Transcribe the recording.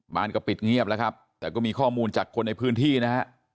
ก็ปิดเงียบแล้วครับแต่ก็มีข้อมูลจากคนในพื้นที่นะฮะ